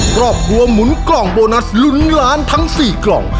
ครอบครัวหมุนกล่องโบนัสลุ้นล้านทั้ง๔กล่อง